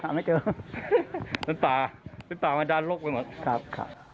ถามไม่เจอน้ำตาน้ำตามันด้านลกไปหมดครับครับ